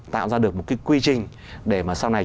tạo ra được một cái quy trình để mà sau này